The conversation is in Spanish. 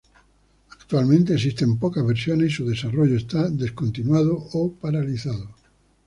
Actualmente existen pocas versiones, y su desarrollo está descontinuado o paralizado.